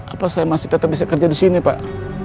apa saya masih tetap bisa kerja di sini pak